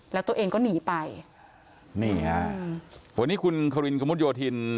แล้วตัวเองก็หนีไปนี่ฮะวันนี้คุณควินกระมุดโยธิน